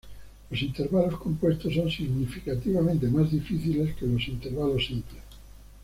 Los intervalos compuestos son significativamente más difíciles que los intervalos simples.